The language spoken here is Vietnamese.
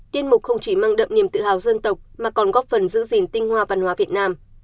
tiết mục không chỉ mang đậm niềm tự hào dân tộc mà còn góp phần giữ gìn tinh hoa văn hóa việt nam